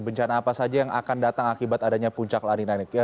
bencana apa saja yang akan datang akibat adanya puncak lanina ini